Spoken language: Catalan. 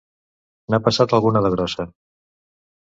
N'ha passat alguna de grossa.